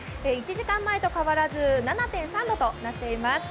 １時間前と変わらず７．３度となっています。